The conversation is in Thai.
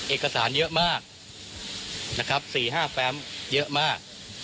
เอกสารเยอะมากนะครับ๔๕แฟมเยอะมาก